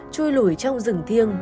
trôi lủi trong rừng thiêng